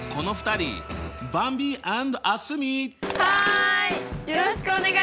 はい！